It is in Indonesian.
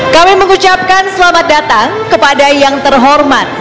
kami mengucapkan selamat datang kepada yang terhormat